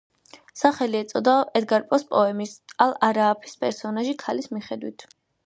სახელი ეწოდა ედგარ პოს პოემის „ალ–არააფის“ პერსონაჟი ქალის მიხედვით.